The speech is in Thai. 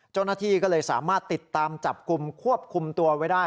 เจ้าหน้าที่ก็เลยสามารถติดตามจับกลุ่มควบคุมตัวไว้ได้